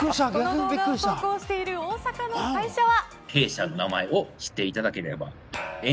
動画を投稿している大阪の会社は。